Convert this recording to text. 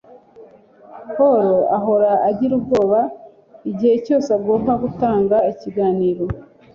Pawulo ahora agira ubwoba igihe cyose agomba gutanga ikiganiro